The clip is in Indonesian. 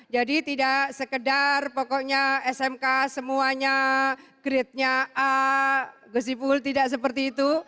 tidak sekedar pokoknya smk semuanya grade nya a gusipul tidak seperti itu